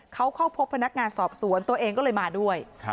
เขาเข้าพบพนักงานสอบสวนตัวเองก็เลยมาด้วย